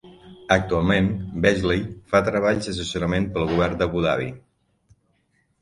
Actualment, Beasley fa treballs d'assessorament pel govern d'Abu Dhabi.